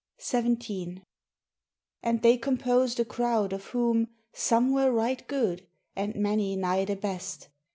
XVII And they composed a crowd of whom Some were right good, and many nigh the best